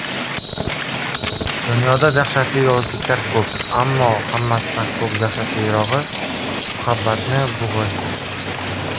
Dunyoda dahshatli yovuzliklar ko‘p, ammo hammasidan ham dahshatlirog‘i — muhabbatni bo‘g‘ish.